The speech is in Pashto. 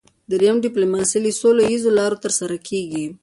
دریم ډیپلوماسي له سوله اییزو لارو ترسره کیږي